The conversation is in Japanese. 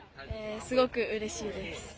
すごくうれしいです。